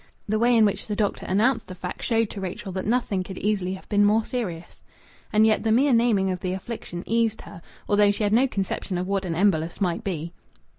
The way in which the doctor announced the fact showed to Rachel that nothing could easily have been more serious. And yet the mere naming of the affliction eased her, although she had no conception of what an embolus might be.